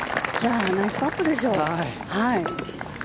ナイスパットでしょう。